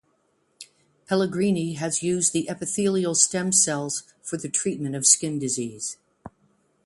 Pellegrini has used the epithelial stem cells for the treatment of skin disease.